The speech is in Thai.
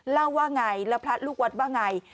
เล่าว่าไงแล้วพระลูกวัดว่าไง